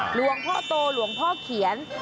หลวงพ่อโตหลวงพ่อเขียน